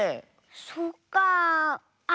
そっかあ。